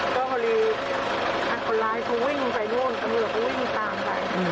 ก็ก็เลยท่านคนร้ายเขาวิ่งไปนู่นตรงนี้เขาวิ่งตามไป